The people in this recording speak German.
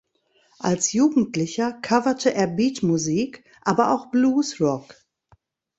Als Jugendlicher coverte er Beatmusik, aber auch Bluesrock.